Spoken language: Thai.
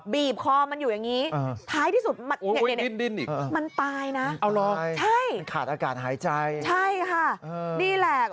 บีบคอมันอยู่อย่างนี้